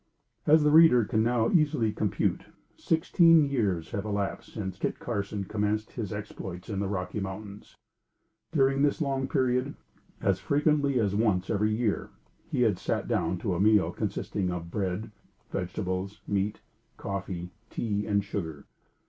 As the reader can now easily compute, sixteen years had elapsed since Kit Carson commenced his exploits in the Rocky Mountains. During this long period, as frequently as once every year, he had sat down to a meal consisting of bread, vegetables, meat, coffee, tea, and sugar.